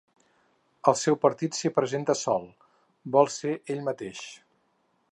El seu partit s’hi presenta sol, vol ser ell mateix.